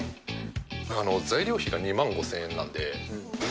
材料費が２万５０００円